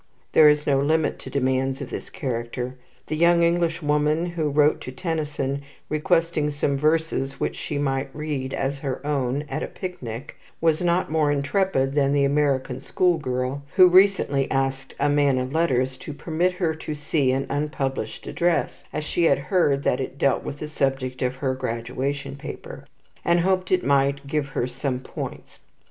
There is no limit to demands of this character. The young Englishwoman who wrote to Tennyson, requesting some verses which she might read as her own at a picnic, was not more intrepid than the American school girl who recently asked a man of letters to permit her to see an unpublished address, as she had heard that it dealt with the subject of her graduation paper, and hoped it might give her some points.